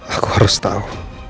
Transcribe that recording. aku harus tahu